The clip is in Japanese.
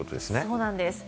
そうなんです。